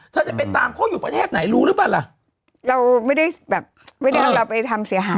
จะไปตามเขาอยู่ประเทศไหนรู้หรือเปล่าล่ะเราไม่ได้แบบไม่ได้เอาเราไปทำเสียหาย